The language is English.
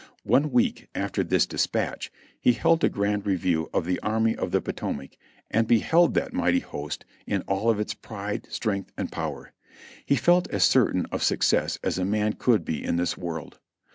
One week after this dispatch he held a grand re view of the Army of the Potomac and beheld that mighty host in all of its pride, strength and power; he felt as certain of success as a man could be in this world.